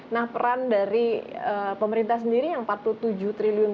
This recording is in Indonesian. nah peran dari pemerintah sendiri yang rp empat puluh tujuh triliun